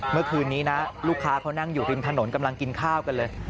เมื่อคืนนี้นะลูกค้าเขานั่งอยู่ริมถนนกำลังกินข้าวกันเลย